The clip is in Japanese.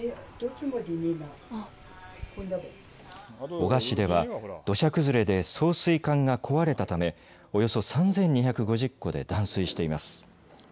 男鹿市では土砂崩れで送水管が壊れたため、およそ３２５０戸で断水しています。